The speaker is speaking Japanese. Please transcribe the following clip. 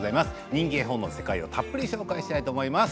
人気絵本の世界をたっぷり紹介します。